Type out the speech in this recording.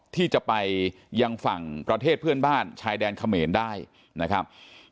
ที่จะไปยังฝั่งประเทศเพื่อนบ้านชายแดนเขมรได้นะครับ